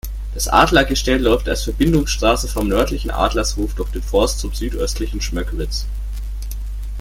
Das Adlergestell läuft als Verbindungsstraße vom nördlichen Adlershof durch den Forst zum südöstlichen Schmöckwitz.